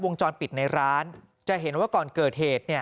วงจรปิดในร้านจะเห็นว่าก่อนเกิดเหตุ